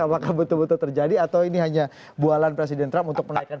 apakah betul betul terjadi atau ini hanya bualan presiden trump untuk menaikkan